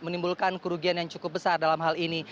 menimbulkan kerugian yang cukup besar dalam hal ini